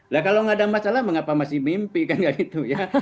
lah kalau nggak ada masalah mengapa masih mimpi kan gak gitu ya